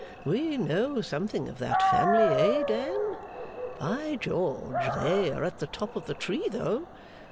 We know something of that family, eh, Dan? By George, they are at the top of the tree, though!